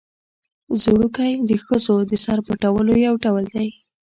ځړوکی د ښځو د سر پټولو یو ډول دی